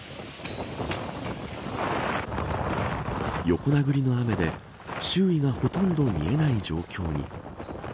横殴りの雨で周囲がほとんど見えない状況に。